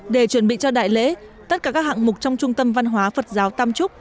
để chuẩn bị cho đại lễ tất cả các hạng mục trong trung tâm văn hóa phật giáo tam trúc